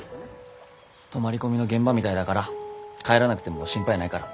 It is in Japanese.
泊まり込みの現場みたいだから帰らなくても心配ないから。